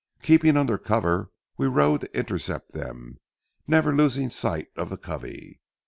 Keeping under cover, we rode to intercept them, never losing sight of the covey.